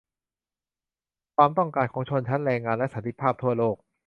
ความต้องการของชนชั้นแรงงาน และสันติภาพทั่วโลก